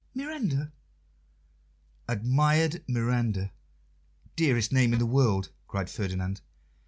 "Miranda." "Admired Miranda! Dearest name in the world!" cried Ferdinand.